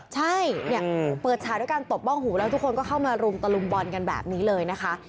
ใช่เนี่ยเปิดฉากด้วยการตบบ้องหูแล้วทุกคนก็เข้ามารุมตะลุมบอลกันแบบนี้เลยนะคะ